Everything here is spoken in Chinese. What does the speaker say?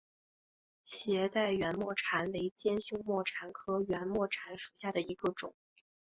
斜带圆沫蝉为尖胸沫蝉科圆沫蝉属下的一个种。